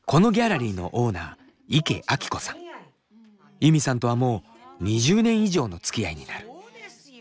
ユミさんとはもう２０年以上のつきあいになる。